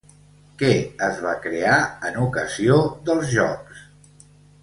Què es va crear en ocasió dels Jocs?